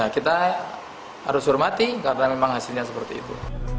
kita harus hormati karena memang hasilnya seperti itu